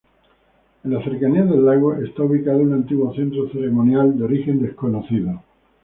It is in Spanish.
En las cercanías del lago está ubicado un antiguo centro ceremonial de origen desconocido.